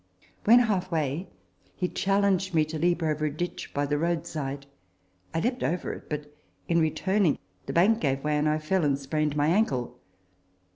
When half way, he challenged me to leap over a ditch by the roadside. I leaped over it ; but, in returning, the bank gave way, and I fell and sprained my ankle.